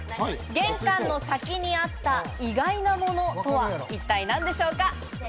玄関の先にあった意外なものとは一体何でしょうか？